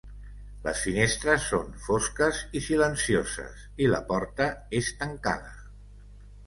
Les finestres són fosques i silencioses, i la porta és tancada.